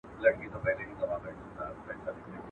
o چي نر ئې په چارښاخو راوړي، ښځه ئې په جارو کي وړي.